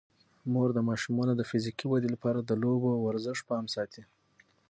مور د ماشومانو د فزیکي ودې لپاره د لوبو او ورزش پام ساتي.